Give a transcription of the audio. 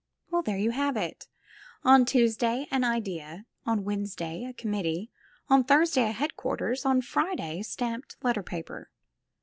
Well, there you have it: on Tuesday, an idea; on Wednesday, a committee ; on Thursday, a headquarters ; on Friday, stamped letter paper.